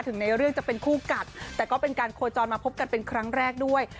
ในเรื่องจะเป็นคู่กัดแต่ก็เป็นการโคจรมาพบกันเป็นครั้งแรกด้วย